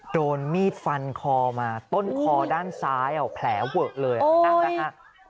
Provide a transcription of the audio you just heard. โดนมีดฟันคอมาต้นคอด้านซ้ายแผลเวอะเลยนั่นนะฮะ